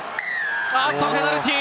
ペナルティー！